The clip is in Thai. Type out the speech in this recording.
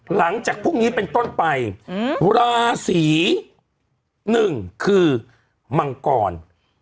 หลังจากพรุ่งนี้เป็นต้นไปราศีหนึ่งคือมังกร